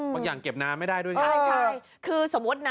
อย่างเก็บน้ำไม่ได้ด้วยไงใช่ใช่คือสมมุตินะ